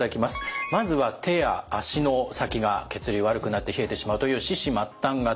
まずは手や足の先が血流悪くなって冷えてしまうという四肢末端型。